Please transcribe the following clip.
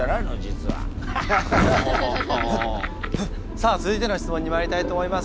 さあ続いての質問にまいりたいと思います。